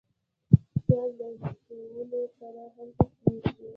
پیاز له شولو سره هم پخیږي